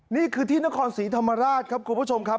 นี่คือที่นครศรีธรรมราชครับคุณผู้ชมครับ